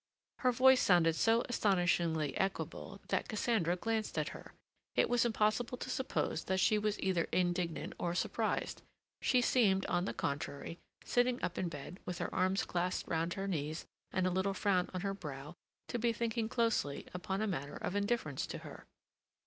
Her voice sounded so astonishingly equable that Cassandra glanced at her. It was impossible to suppose that she was either indignant or surprised; she seemed, on the contrary, sitting up in bed, with her arms clasped round her knees and a little frown on her brow, to be thinking closely upon a matter of indifference to her.